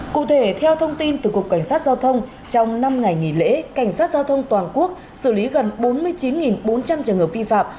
cụ thể theo thông tin từ cục cảnh sát giao thông trong năm ngày nghỉ lễ cảnh sát giao thông toàn quốc xử lý gần bốn mươi chín bốn trăm linh trường hợp vi phạm